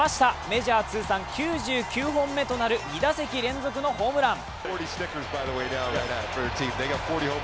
メジャー通算９９本目となる２打席連続のホームラン。